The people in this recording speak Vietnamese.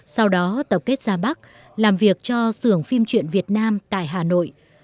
sau đó tập kết ra bắc làm việc cho sưởng phim truyện việt nam tại hà nội